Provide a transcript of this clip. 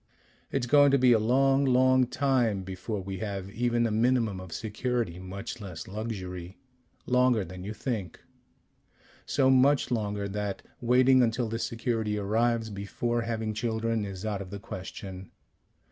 "It's going to be a long, long time before we have even a minimum of security, much less luxury. Longer than you think.... So much longer that waiting until the security arrives before having children is out of the question.